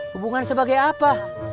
hubungan sebagai apa